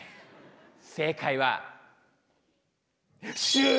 正解はシュー！